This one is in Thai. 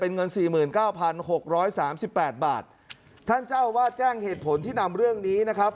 เงินสี่หมื่นเก้าพันหกร้อยสามสิบแปดบาทท่านเจ้าวาดแจ้งเหตุผลที่นำเรื่องนี้นะครับ